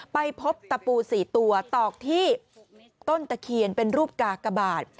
ไปพบตะปู๔ตัวตอกที่ต้นตะเคียนเป็นรูปกากบาท